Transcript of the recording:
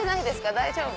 大丈夫？